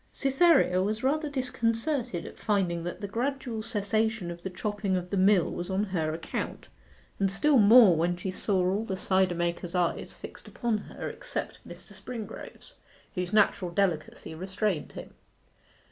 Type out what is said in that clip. Cytherea was rather disconcerted at finding that the gradual cessation of the chopping of the mill was on her account, and still more when she saw all the cider makers' eyes fixed upon her except Mr. Springrove's, whose natural delicacy restrained him.